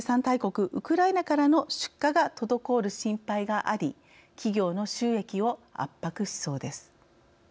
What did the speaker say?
大国ウクライナからの出荷が滞る心配があり企業の収益を圧迫しそうです。